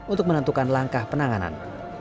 untuk menentukan langkah penanganan